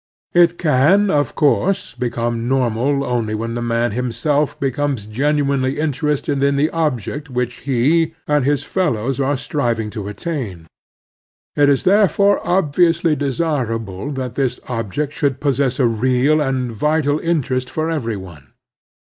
It can, of course, become normal only when the man him self becomes genuinely interested in the^j^t^ which he and his fellows are striving to attain. " Tt is therefore obviously desirable that this object should possess a real and vital interest for every one.